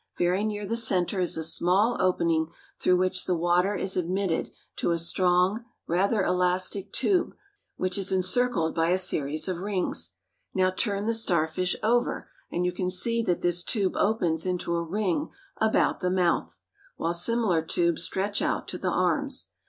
Very near the center is a small opening through which the water is admitted to a strong, rather elastic, tube, which is encircled by a series of rings. Now turn the star fish over and you can see that this tube opens into a ring about the mouth, while similar tubes stretch out to the arms.